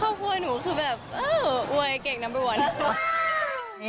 ครอบครัวหนูคือแบบเอ้ออวยเก่งนัมเบอร์วันนี่ค่ะ